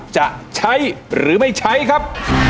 จะใช้หรือไม่ใช้ครับ